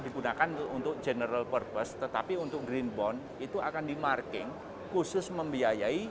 digunakan untuk general purpose tetapi untuk green bond itu akan di marking khusus membiayai